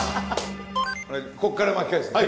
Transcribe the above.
ここから巻き返すから。